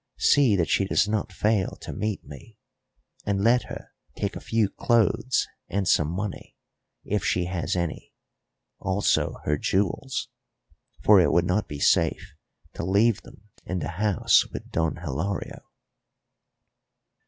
See that she does not fail to meet me, and let her take a few clothes and some money, if she has any; also her jewels, for it would not be safe to leave them in the house with Don Hilario."